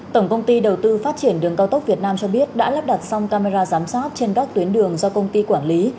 tổng công ty đầu tư phát triển đường cao tốc việt nam cho biết đã lắp đặt xong camera giám sát trên các tuyến đường do công ty quản lý